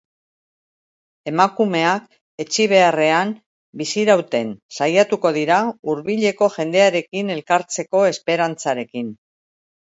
Emakumeak etsi beharrean bizirauten saiatuko dira hurbileko jendearekin elkartzeko esperantzarekin.